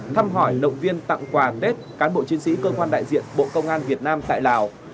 thăm hỏi động viên tặng quà tết cán bộ chiến sĩ cơ quan đại diện bộ công an việt nam tại lào